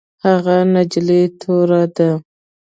هغه نجلۍ توره ده